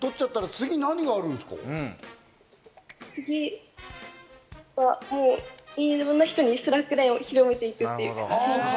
次はもう、いろんな人にスラックラインを広めていく。